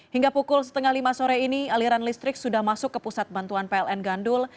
hingga pukul setengah lima sore ini aliran listrik sudah masuk ke pusat bantuan pln gandul